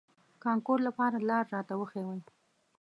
کانکور لپاره لار راته وښوئ.